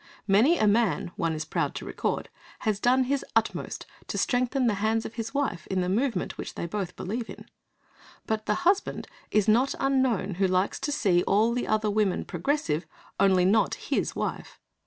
Many a man, one is proud to record, has done his utmost to strengthen the hands of his wife in the movement which they both believe in; but the husband is not unknown who likes to see all the other women progressive, only not his wife.